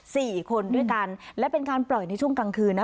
สี่คนด้วยกันและเป็นการปล่อยในช่วงกลางคืนนะ